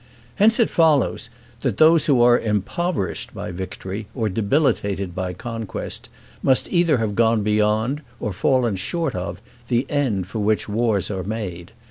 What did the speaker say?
Hence it follows, that those who are impoverished by victory or debilitated by conquest, must either have gone beyond, or fallen short of, the end for which wars are made.